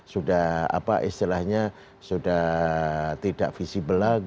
sudah apa istilahnya sudah tidak visible